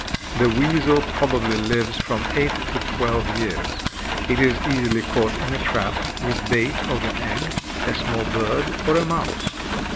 The weasel probably lives from eight to twelve years. It is easily caught in a trap, with bait of an egg, a small bird, or a mouse.